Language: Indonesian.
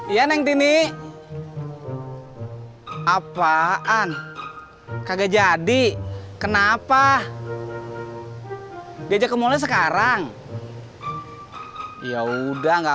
iya neng dini apaan kagak jadi kenapa diajak kemulia sekarang ya udah nggak